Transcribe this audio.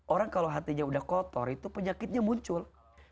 orang kalau hatinya udah kotor itu penyakitnya muncul